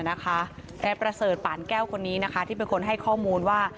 นายประเสริฐป่านแก้วคนนี้นะคะที่เป็นคนให้ข้อมูลว่า